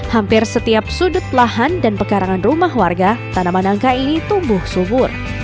hampir setiap sudut lahan dan pekarangan rumah warga tanaman angka ini tumbuh subur